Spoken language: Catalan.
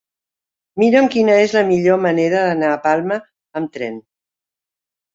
Mira'm quina és la millor manera d'anar a Palma amb tren.